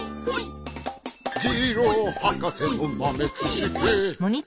「ジローはかせのまめちしき」